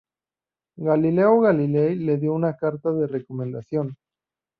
Galileo Galilei le dio una carta de recomendación.